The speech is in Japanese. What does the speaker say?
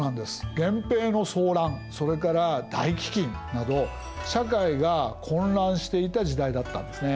源平の争乱それから大飢饉など社会が混乱していた時代だったんですね。